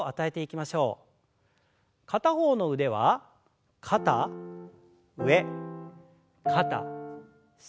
片方の腕は肩上肩下。